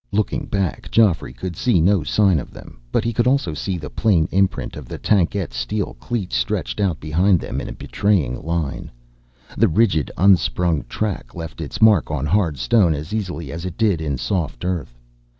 Looking back, Geoffrey could see no sign of them. But he could also see the plain imprint of the tankette's steel cleats stretched out behind them in a betraying line. The rigid, unsprung track left its mark on hard stone as easily as it did in soft earth.